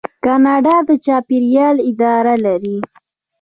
کاناډا د چاپیریال اداره لري.